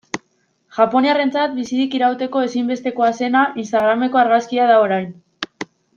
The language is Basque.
Japoniarrentzat bizirik irauteko ezinbestekoa zena, instagrameko argazkia da orain.